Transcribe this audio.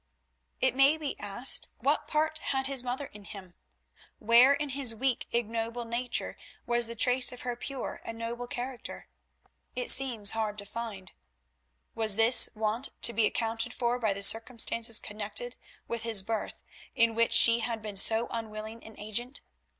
It may be asked what part had his mother in him; where in his weak ignoble nature was the trace of her pure and noble character? It seems hard to find. Was this want to be accounted for by the circumstances connected with his birth, in which she had been so unwilling an agent?